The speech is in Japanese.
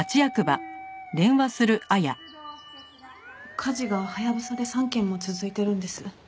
火事がハヤブサで３軒も続いているんです。